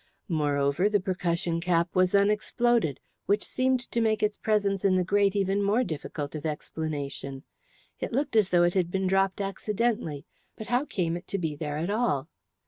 Moreover, the percussion cap was unexploded, which seemed to make its presence in the grate even more difficult of explanation. It looked as though it had been dropped accidentally, but how came it to be there at all?